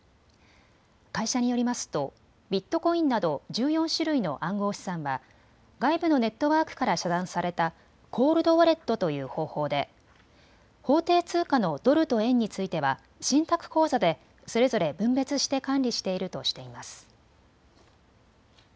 会社によりますとビットコインなど１４種類の暗号資産は外部のネットワークから遮断されたコールドウォレットという方法で法定通貨のドルと円については信託口座でそれぞれ分別して管理しているとしています。